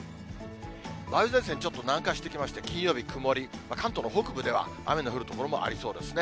梅雨前線、ちょっと南下してきまして、金曜日曇り、関東の北部では雨の降る所もありそうですね。